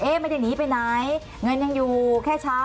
ไม่ได้หนีไปไหนเงินยังอยู่แค่ช้า